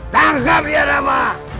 tangkap dia rama